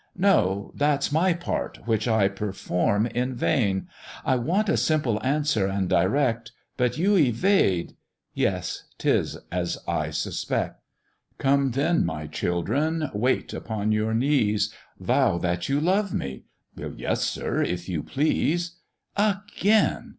"No, that's my part, which I perform in vain; I want a simple answer, and direct But you evade; yes! 'tis as I suspect. Come then, my children! Watt! upon your knees Vow that you love me." "Yes, sir, if you please." "Again!